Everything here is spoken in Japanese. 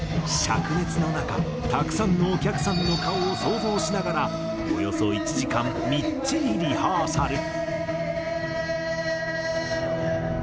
灼熱の中たくさんのお客さんの顔を想像しながらおよそ１時間みっちりリハーサル。